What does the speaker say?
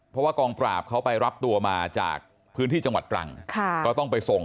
เพราะว่ากองปราบเขาไปรับตัวมาจากพื้นที่จังหวัดตรังก็ต้องไปส่ง